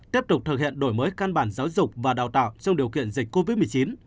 tiếp tục thực hiện đổi mới căn bản giáo dục và đào tạo trong điều kiện dịch covid một mươi chín